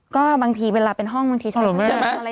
ก็บางทีเวลาเป็นห้องบางทีใช้ไม่ได้